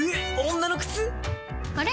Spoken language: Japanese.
女の靴⁉あれ？